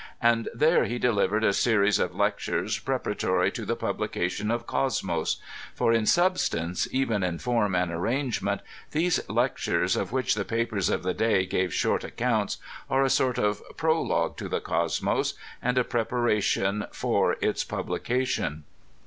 And there he delivered a series of lectures preparatory to the publication of Cosmos ; for in sub stance, even in form and arrangement, these lectures, of which the papers of the day gave short accounts, are a sort of prologue to the Cosmos, and a preparation for its publication.